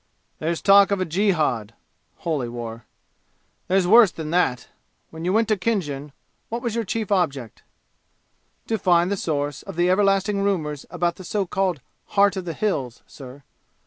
"There's talk of a jihad (holy war). There's worse than that! When you went to Khinjan, what was your chief object?" "To find the source of the everlasting rumors about the so called 'Heart of the Hills,' sir."